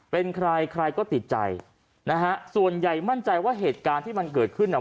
เป็นใครใครก็ติดใจนะฮะส่วนใหญ่มั่นใจว่าเหตุการณ์ที่มันเกิดขึ้นอ่ะ